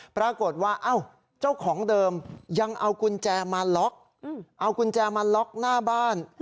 ปรากฏว่าเจ้าของเดิมยังเอากุญแจมาล็อกเอากุญแจมาล็อกหน้าบ้าน